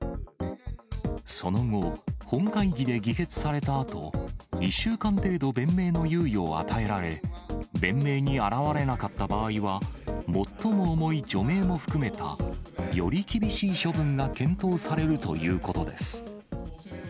その後、本会議で議決されたあと、１週間程度弁明の猶予を与えられ、弁明に現れなかった場合は、最も重い除名も含めた、より厳しい処分が検討されるということです。